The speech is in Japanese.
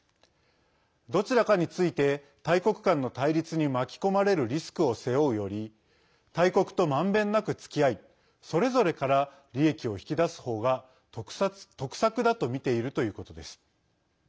どちらかについて大国間の対立に巻き込まれるリスクを背負うより大国と、まんべんなくつきあいそれぞれから利益を引き出す方が得策だと見ているということです。